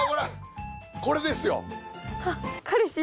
これですよ。